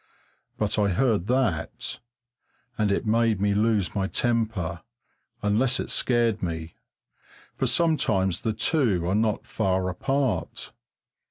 But I heard that, and it made me lose my temper, unless it scared me, for sometimes the two are not far apart.